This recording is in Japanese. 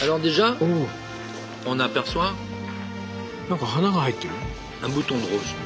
なんか花が入ってる。